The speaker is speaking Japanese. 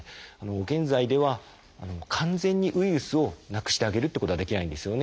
現在では完全にウイルスをなくしてあげるってことはできないんですよね。